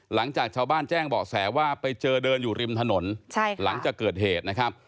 หลังจากชาวบ้านแจ้งเบาะแสว่าไปเจอเดินอยู่ริมถนนหลังจากเกิดเหตุนะครับ